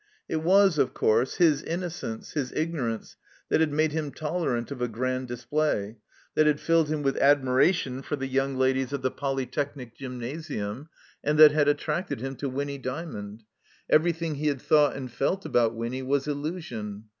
It was, of cotirse, his innocence, his ignorance that had made him tolerant of a Grand Display, that had filled him with admiration for the Yoimg Ladies of the Polytechnic Gymnasium, and that had attracted him to Winny Dymond. Everything he had thought and felt about Winny was illusion.